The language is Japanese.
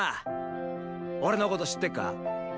俺のこと知ってっか？